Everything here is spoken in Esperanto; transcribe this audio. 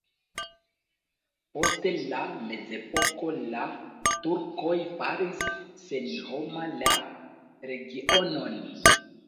Post la mezepoko la turkoj faris senhoma la regionon.